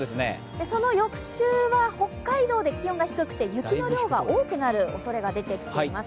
その翌週は北海道で気温が低くて雪の量が多くなる予想が出ています。